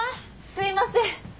すいません。